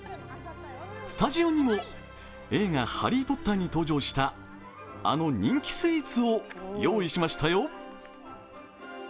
スタジオにも、映画「ハリー・ポッター」に登場したあの人気スイーツを用意しましたよ。